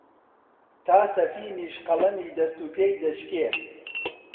تا سەفینیش قەڵەمی دەست و پێی دەشکێ،